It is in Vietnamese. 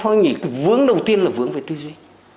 tôi nghĩ cái vướng đầu tiên là vướng về tư duy